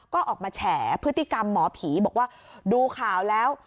ก็ออกมาแฉพฤติกรรมหมอผีบอกว่าดูข่าวแล้ว